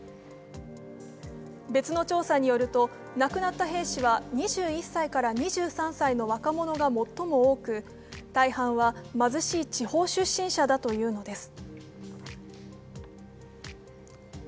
別の調査によると、亡くなった兵士は２１歳から２３歳の若者が最も多く大半は貧しい地方出身者だというのです。